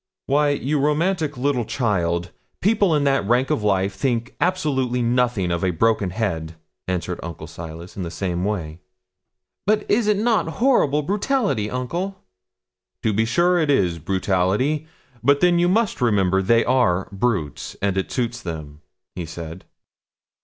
'Why, you romantic little child, people in that rank of life think absolutely nothing of a broken head,' answered Uncle Silas, in the same way. 'But is it not horrible brutality, uncle?' 'To be sure it is brutality; but then you must remember they are brutes, and it suits them,' said he.